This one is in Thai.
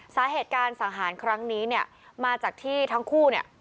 สาเหตุการสังหารครั้งนี้เนี่ยมาจากที่ทั้งคู่เนี่ย